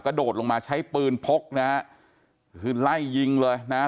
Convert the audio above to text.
โดดลงมาใช้ปืนพกนะฮะคือไล่ยิงเลยนะฮะ